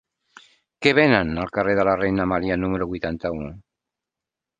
Què venen al carrer de la Reina Amàlia número vuitanta-u?